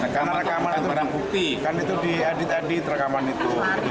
karena rekaman itu di edit edit rekaman itu